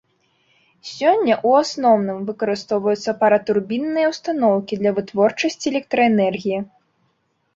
Сёння ў асноўным выкарыстоўваюцца паратурбінныя ўстаноўкі для вытворчасці электраэнергіі.